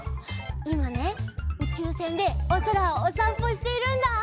いまねうちゅうせんでおそらをおさんぽしているんだ！